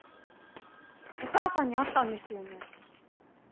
お母さんに会ったんですよね？